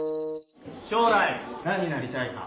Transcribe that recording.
しょう来何になりたいか？